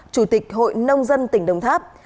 chủ tịch hội nông dân tỉnh đồng tháp